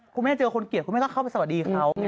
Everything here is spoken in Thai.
ถ้าจะไม่เจอคนเกลียดคุณไม่เข้าไปสวัสดีเขา